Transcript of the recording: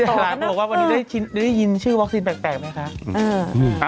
บอกว่าวันนี้จะได้ยินชื่อวอคซินแปลกไหมคะ